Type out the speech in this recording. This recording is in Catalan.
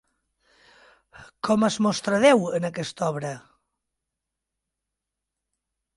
Com es mostra Déu en aquesta obra?